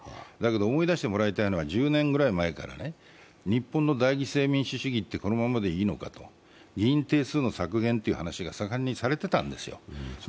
だけど思い出してもらいたいのは、１０年ぐらい前から、日本の代理性民主主義ってこのままでいいのか、議員定数の削減という話が盛んにされていたんですよ。